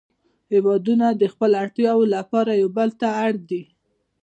هیوادونه د خپلو اړتیاوو لپاره یو بل ته اړ دي